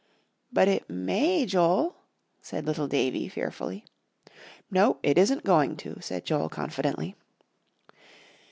"But it may, Joel," said little Davie, fearfully. "No, it isn't going to," said Joel, confidently.